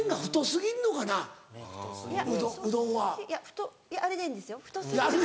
太いやあれでいいんですよ。